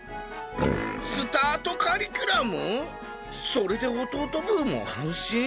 それで弟ブーも安心！？